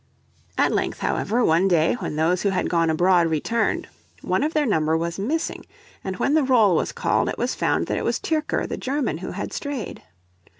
At length, however, one day, when those who had gone abroad returned, one of their number was missing, and when the roll was called it was found that it was Tyrker the German who had strayed.